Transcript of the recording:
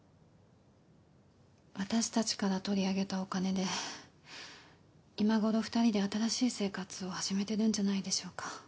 私たちから取り上げたお金で今頃２人で新しい生活を始めてるんじゃないでしょうか？